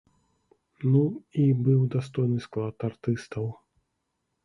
Ну, і быў дастойны склад артыстаў.